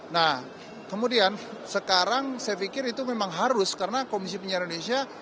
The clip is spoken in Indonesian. nah kemudian sekarang saya pikir itu memang harus karena komisi penyiaran indonesia